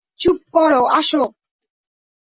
চুপ করো, আসো।